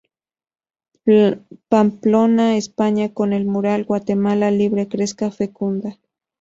Pamplona, España Con el mural "Guatemala Libre Crezca Fecunda".